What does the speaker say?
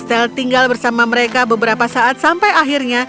stel tinggal bersama mereka beberapa saat sampai akhirnya